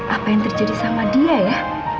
apa yang terjadi sama dia ya